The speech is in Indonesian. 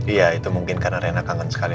iya itu mungkin karena rena kangen sekali